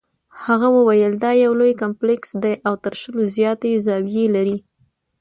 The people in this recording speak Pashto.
هغه وویل دا یو لوی کمپلیکس دی او تر شلو زیاتې زاویې لري.